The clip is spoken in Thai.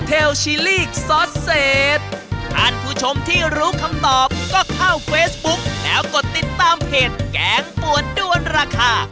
ถ้าไม่รู้คำตอบก็เข้าเฟซบุ๊กแล้วกดติดตามเพจแกงปวดด้วนราคา